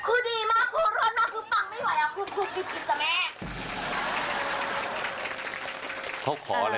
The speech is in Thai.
เอฟแม่วสามารถใส่ได้เอฟจะใส่เป็นโอโฟไซด์ค่ะแม่